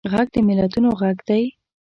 غږ د ملتونو غږ دی